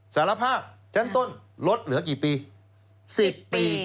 สารภาพชั้นต้นลดเหลือกี่ปี๑๐ปี